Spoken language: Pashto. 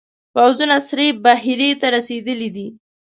پوځونه سرې بحیرې ته رسېدلي دي.